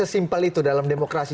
sesimpel itu dalam demokrasi